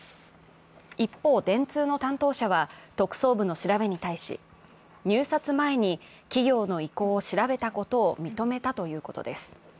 一方、電通の担当者は特捜部の調べに対し、入札前に企業の意向を調べたことを認めたということです。